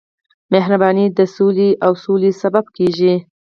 مهرباني د سولې او سولې سبب کېږي.